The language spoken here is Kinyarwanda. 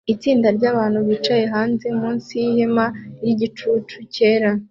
Itsinda ryabantu bicaye hanze munsi yihema ryigicucu cyera